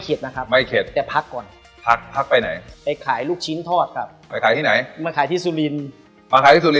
เค็ดไหม